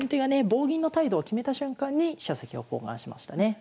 棒銀の態度を決めた瞬間に飛車先を交換しましたね。